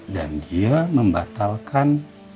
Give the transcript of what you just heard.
dan dia membatalkan